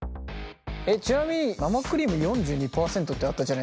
ちなみに生クリーム４２％ってあったじゃないですか。